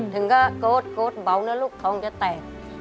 ถึงก็โกรธเบานะลูกท้องจะแตก